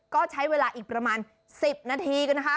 ก็ใช้เวลาอีกประมาณ๑๐นาทีนะคะ